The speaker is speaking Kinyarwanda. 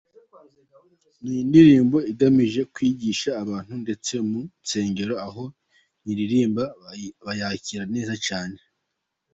Ni indirimbo igamije kwigisha abantu ndetse mu nsengero aho nyiririmba bayakira neza cyane.